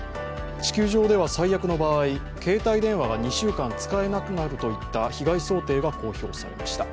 地球上では最悪の場合携帯電話が２週間使えなくなるといった被害想定が公表されました。